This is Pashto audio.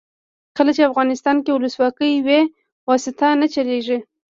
کله چې افغانستان کې ولسواکي وي واسطه نه چلیږي.